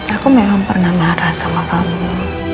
aku memang pernah marah sama kamu